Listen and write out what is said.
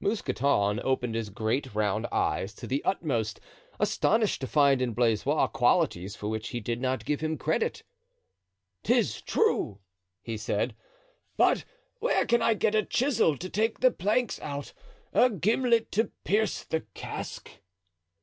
Mousqueton opened his great round eyes to the utmost, astonished to find in Blaisois qualities for which he did not give him credit. "'Tis true," he said; "but where can I get a chisel to take the planks out, a gimlet to pierce the cask?"